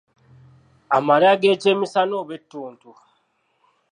Amalya g'ekyemisana oba ettuntu.